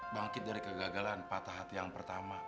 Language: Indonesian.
bangkit dari kegagalan patah hati yang pertama